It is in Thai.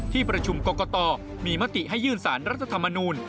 ที่ประชุมกรกตมีมติให้ยื่นสารรัฐธรรมนูล